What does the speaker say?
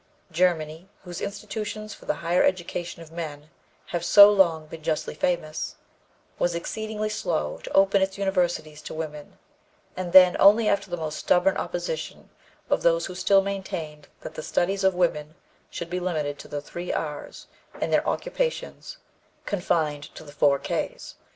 Germany, whose institutions for the higher education of men have so long been justly famous, was exceedingly slow to open its universities to women, and then only after the most stubborn opposition of those who still maintained that the studies of women should be limited to the three R's and their occupations confined to the four K's.